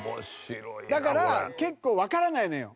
だから結構わからないのよ。